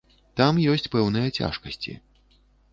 Там ёсць пэўныя цяжкасці.